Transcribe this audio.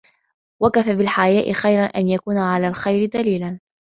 وَكَفَى بِالْحَيَاءِ خَيْرًا أَنْ يَكُونَ عَلَى الْخَيْرِ دَلِيلًا